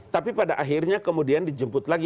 tapi pada akhirnya kemudian dijemput lagi